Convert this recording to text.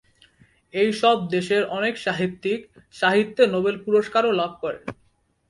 এই সব দেশের অনেক সাহিত্যিক সাহিত্যে নোবেল পুরস্কারও লাভ করেন।